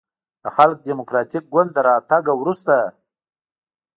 د خلق دیموکراتیک ګوند د راتګ نه وروسته